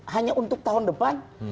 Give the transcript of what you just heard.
hanya untuk tahun depan